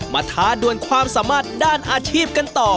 ท้าด่วนความสามารถด้านอาชีพกันต่อ